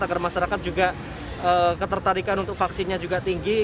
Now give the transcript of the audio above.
agar masyarakat juga ketertarikan untuk vaksinnya juga tinggi